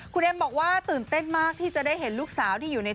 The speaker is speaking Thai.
คุณเอ็มบอกว่าตื่นเต้นมากที่จะได้เห็นลูกสาวที่อยู่ใน